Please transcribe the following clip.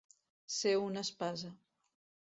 Ser una espasa.